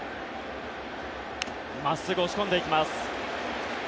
真っすぐ押し込んでいきます。